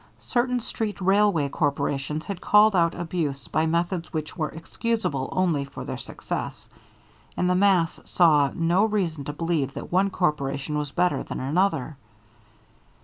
Certain street railway corporations had called out abuse by methods which were excusable only for their success, and the mass saw no reason to believe that one corporation was better than another.